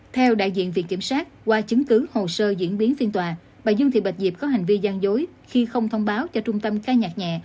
theo đại diện viện kiểm soát qua chứng cứ hồ sơ diễn biến phiên tòa bà dương thị bạch diệp có hành vi gian dối khi không thông báo cho trung tâm ca nhạc nhẹ